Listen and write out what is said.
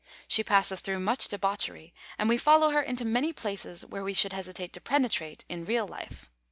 She passes through much debauchery, and we follow her into many places where we should hesitate to penetrate in real life.